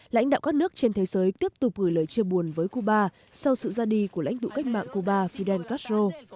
lãnh đạo các nước trên thế giới tiếp tục gửi lời chia buồn với cuba sau sự ra đi của lãnh tụ cách mạng cuba fidel castro